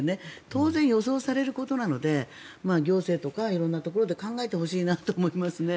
当然、予想されることなので行政とか色んなところで考えてほしいなと思いますね。